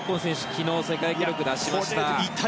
昨日、世界記録を出しました。